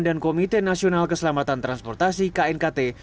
dan komite nasional keselamatan transportasi knkt